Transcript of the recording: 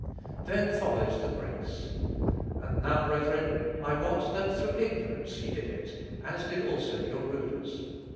Then follows the grace. "And now, brethren, I wot that through ignorance ye did it, as did also your rulers.